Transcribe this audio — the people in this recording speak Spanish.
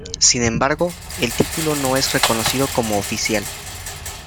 Sin embargo, el título no es reconocido como oficial.